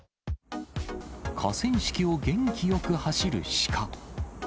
河川敷を元気よく走るシカ。